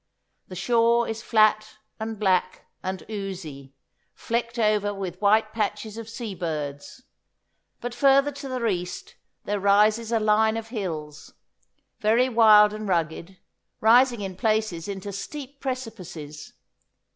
The shore is flat and black and oozy, flecked over with white patches of sea birds, but further to the east there rises a line of hills, very wild and rugged, rising in places into steep precipices.